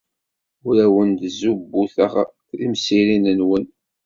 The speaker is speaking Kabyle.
Ur awen-d-zzubuteɣ timsirin-nwen.